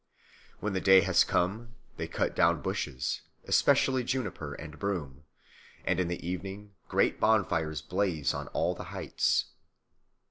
When the day has come, they cut down bushes, especially juniper and broom, and in the evening great bonfires blaze on all the heights.